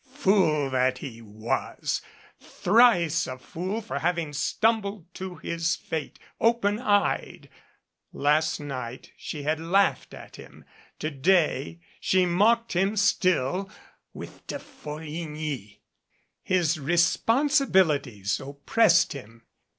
Fool that he was ! Thrice a fool for having stumbled to his fate, open eyed. Last night she had laughed at him. To day she mocked at him still with De Folligny. His responsibilities oppressed him.